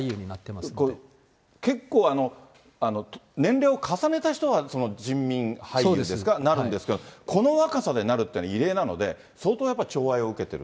結構、年齢を重ねた人は人民俳優ですか、なるんですけど、この若さでなるっていうのは異例なので、相当やっぱりちょう愛を受けてる。